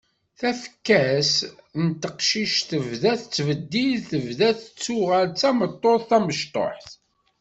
Tafekka-s n teqcict tebda tettbeddil, tebda tettuɣal d tameṭṭut tamecṭuḥt.